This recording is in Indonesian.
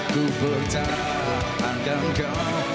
ku bertahan dengan kau